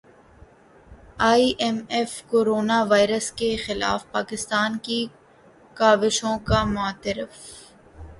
ائی M F corona virus کے خلاف پاکستان کی کاوشوں کا معترف